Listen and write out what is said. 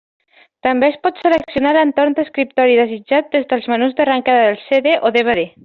També es pot seleccionar l'entorn d'escriptori desitjat des dels menús d'arrencada dels CD o DVD.